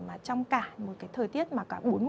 mà trong cả một cái thời tiết mà cả bốn mùa trong quần năm